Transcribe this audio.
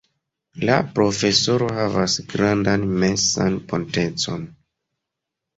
La Profesoro havas grandan mensan potencon.